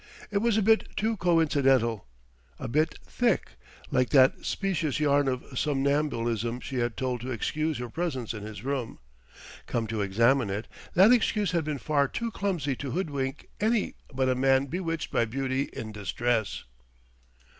It was a bit too coincidental "a bit thick!" like that specious yarn of somnambulism she had told to excuse her presence in his room. Come to examine it, that excuse had been far too clumsy to hoodwink any but a man bewitched by beauty in distress.